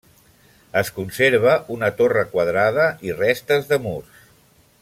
Es conserva una torre quadrada i restes de murs.